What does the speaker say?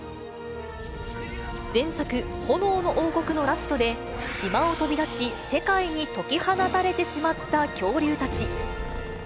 前作、炎の王国のラストで、島を飛び出し、世界に解き放たれてしまった恐竜たち。